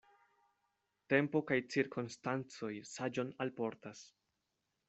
Tempo kaj cirkonstancoj saĝon alportas.